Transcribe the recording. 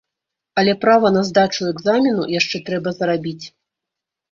Але права на здачу экзамену яшчэ трэба зарабіць.